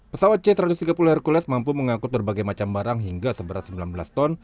pesawat c satu ratus tiga puluh hercules mampu mengangkut berbagai macam barang hingga seberat sembilan belas ton